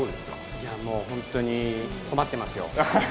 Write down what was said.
もう本当に困ってますよ。